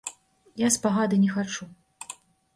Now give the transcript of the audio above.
Я спагады не хачу.